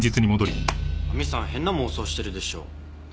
亜美さん変な妄想してるでしょ？